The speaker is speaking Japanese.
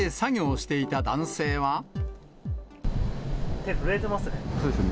手、震えてますね。